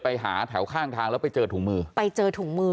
ไปหาแถวข้างทางแล้วไปเจอถุงมือ